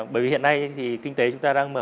bởi vì hiện nay thì kinh tế chúng ta đang mở